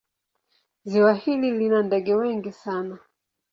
Ziwa hili lina ndege wengi sana.